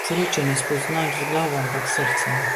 Sreče ne spoznaš z glavo, ampak s srcem.